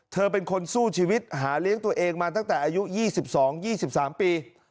เธอเป็นคนสู้ชีวิตหาเลี้ยงตัวเองมาตั้งแต่อายุ๒๒๓ปี